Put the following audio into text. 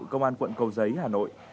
công an quận cầu giấy hà nội